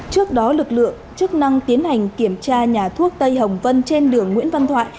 trước đó lực lượng chức năng tiến hành kiểm tra nhà thuốc tây hồng vân trên đường nguyễn văn thoại